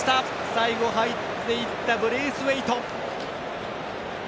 最後、入っていったブレイスウェイト。